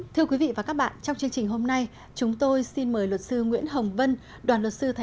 thưa quý vị và các bạn trong chương trình hôm nay chúng tôi xin mời luật sư nguyễn hồng vân đoàn luật sư thành phố hà nội cùng tham gia chương trình